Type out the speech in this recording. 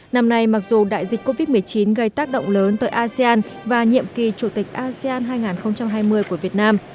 năm nay mặc dù đại dịch covid một mươi chín gây tác động lớn tới asean và nhiệm kỳ chủ tịch asean hai nghìn hai mươi của việt nam